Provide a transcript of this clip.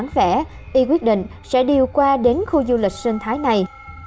khu du lịch sinh thái xã tân lập